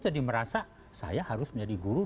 jadi merasa saya harus menjadi guru